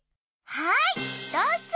はいどうぞ。